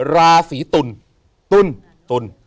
๑ราศีตุล